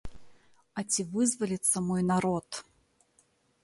А ці вызваліцца мой народ?